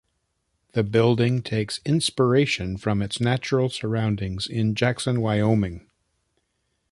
The building takes inspiration from its natural surroundings in Jackson, Wyoming.